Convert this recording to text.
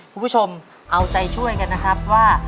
คุณผู้ชมเอาใจช่วยกันนะครับว่า